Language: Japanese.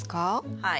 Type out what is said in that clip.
はい。